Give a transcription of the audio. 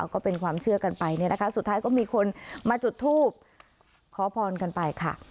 ก็เป็นความเชื่อกันไปเนี่ยนะคะสุดท้ายก็มีคนมาจุดทูบขอพรกันไปค่ะ